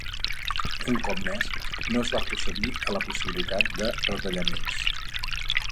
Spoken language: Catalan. Un cop més, no es va procedir a la possibilitat de retallaments.